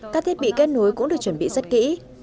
các thiết bị kết nối cũng được chuẩn bị rất kỹ